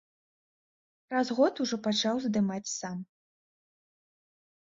Праз год ужо пачаў здымаць сам.